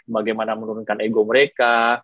bagaimana menurunkan ego mereka